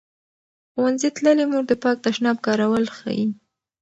ښوونځې تللې مور د پاک تشناب کارول ښيي.